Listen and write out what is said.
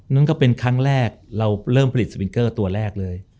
นั่นก็เป็นครั้งแรกเราเริ่มผลิตสปิงเกอร์ตัวแรกเลย